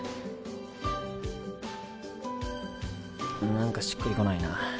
なんかしっくりこないな。